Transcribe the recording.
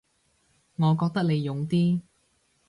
我覺得你勇啲